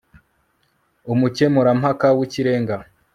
Umukemurampaka wikirenga